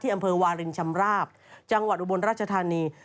อำเภอวาลินชำราบจังหวัดอุบลราชธานี